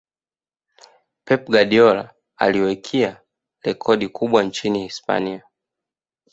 pep guardiola aliwekia rekodi kubwa nchini hispania